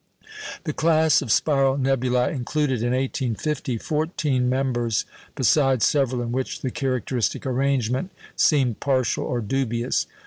The class of spiral nebulæ included, in 1850, fourteen members, besides several in which the characteristic arrangement seemed partial or dubious.